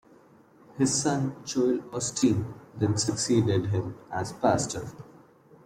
His son Joel Osteen then succeeded him as pastor.